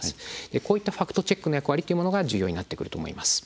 こういったファクトチェックの役割というものが重要になってくると思います。